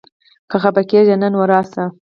که خپه کېږې نه؛ نو راشه!